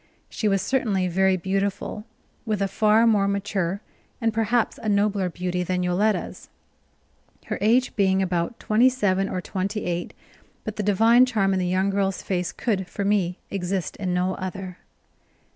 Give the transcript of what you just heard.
She was certainly very beautiful, with a far more mature and perhaps a nobler beauty than Yoletta's, her age being about twenty seven or twenty eight; but the divine charm in the young girl's face could, for me, exist in no other.